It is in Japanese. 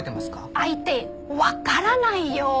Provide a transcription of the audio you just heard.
相手わからないよ！